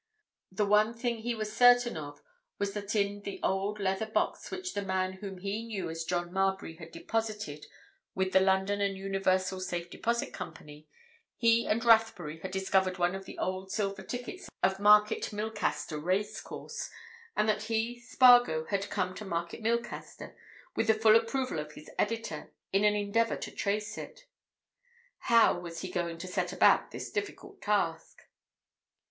The one thing he was certain of was that in the old leather box which the man whom he knew as John Marbury had deposited with the London and Universal Safe Deposit Company, he and Rathbury had discovered one of the old silver tickets of Market Milcaster racecourse, and that he, Spargo, had come to Market Milcaster, with the full approval of his editor, in an endeavour to trace it. How was he going to set about this difficult task?